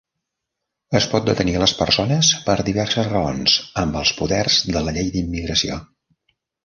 Es pot detenir a les persones per diverses raons amb els poders de la Llei d'Immigració.